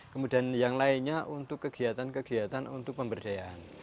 kemudian yang lainnya untuk kegiatan kegiatan untuk pemberdayaan